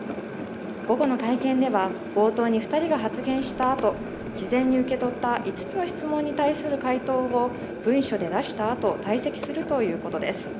午後の会見では冒頭に二人が発言したあと事前に受け取った５つの質問に対する回答を文書で出したあと退席するということです